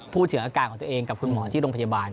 พูดถึงอาการของตัวเองกับคุณหมอที่โรงพยาบาล